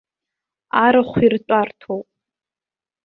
Арахә иртәарҭоуп.